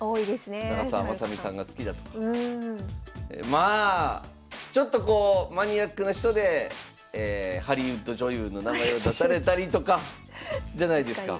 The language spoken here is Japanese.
まあちょっとこうマニアックな人でハリウッド女優の名前を出されたりとかじゃないですか。